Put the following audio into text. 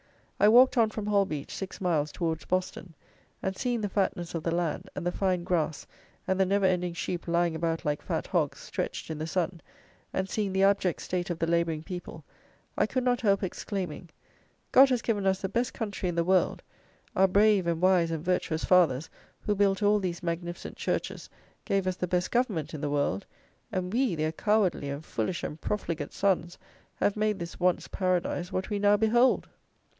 I walked on from Holbeach, six miles, towards Boston; and seeing the fatness of the land, and the fine grass and the never ending sheep lying about like fat hogs, stretched in the sun, and seeing the abject state of the labouring people, I could not help exclaiming, "God has given us the best country in the world; our brave and wise and virtuous fathers, who built all these magnificent churches, gave us the best government in the world, and we, their cowardly and foolish and profligate sons, have made this once paradise what we now behold!"